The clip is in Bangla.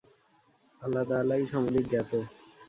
আল্লাহ তাআলাই সমধিক জ্ঞাত।